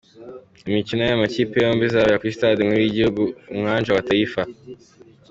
Imikino y’aya makipe yombi izabera kuri stade nkuru y’igihugu, Uwanja wa Taifa.